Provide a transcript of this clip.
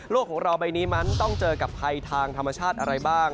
ของเราใบนี้มันต้องเจอกับภัยทางธรรมชาติอะไรบ้าง